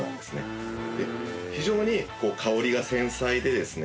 非常に香りが繊細でですね